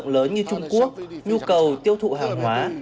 công ty này đã sử dụng lớn như trung quốc nhu cầu tiêu thụ hàng hóa